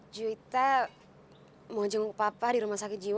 juita mau jemput papa di rumah sakit jiwa